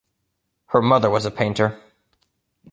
Her mother was a painter.